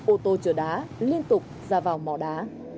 ô tô chở đá liên tục ra vào mỏ đá